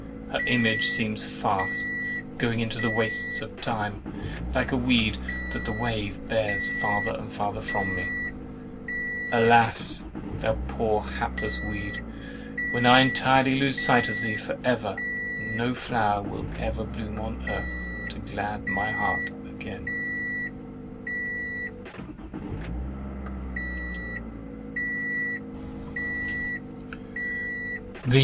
Her image seems fast "going into the wastes of time," like a weed that the wave bears farther and farther from me. Alas! thou poor hapless weed, when I entirely lose sight of thee, and for ever, no flower will ever bloom on earth to glad my heart again!